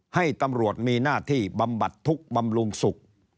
ให้ตำรวจมีหน้าที่บำบัดทุกข์บำรุงสุข